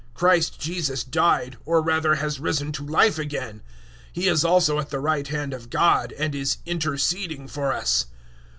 Christ Jesus died, or rather has risen to life again. He is also at the right hand of God, and is interceding for us.